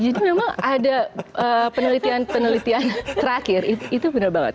jadi memang ada penelitian penelitian terakhir itu benar banget